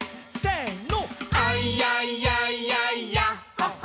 せの！